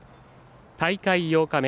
大会８日目